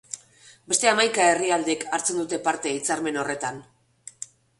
Beste hamaika herrialdek hartzen dute parte hitzarmen horretan.